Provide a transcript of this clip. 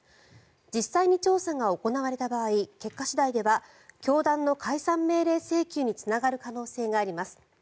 実際に調査が行われた場合結果次第では教団の解散命令請求につながる可能性があります。